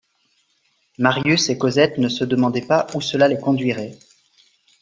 Marius et Cosette ne se demandaient pas où cela les conduirait.